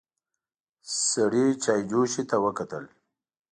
سړي چايجوشې ته وکتل.